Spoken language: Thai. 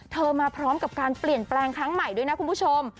มาพร้อมกับการเปลี่ยนแปลงครั้งใหม่ด้วยนะคุณผู้ชม